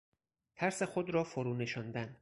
ترس خود را فرونشاندن